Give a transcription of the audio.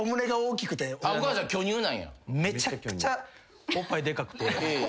めちゃくちゃおっぱいでかくて。